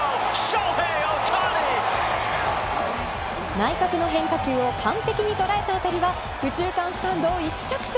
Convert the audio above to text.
内角の変化球を完璧に捉えた当たりは右中間スタンドへ一直線。